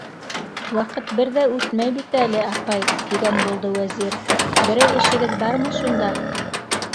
- Ваҡыт бер ҙә үтмәй бит әле, апай, - тигән булды Вәзир, - берәй эшегеҙ бармы шунда?